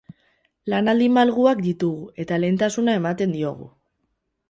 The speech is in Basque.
Lanaldi malguak ditugu eta lehentasuna ematen diogu.